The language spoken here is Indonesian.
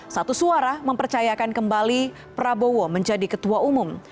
satu suara mempercayakan kembali prabowo menjadi ketua umum